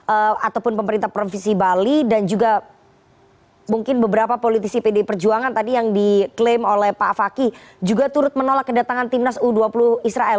ataupun pemerintah provinsi bali dan juga mungkin beberapa politisi pd perjuangan tadi yang diklaim oleh pak fakih juga turut menolak kedatangan timnas u dua puluh israel